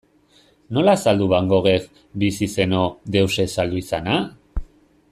Nola azaldu Van Goghek, bizi zeno, deus ez saldu izana?